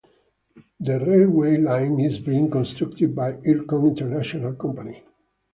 This railway line is being constructed by Ircon International company.